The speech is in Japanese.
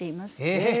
へえ！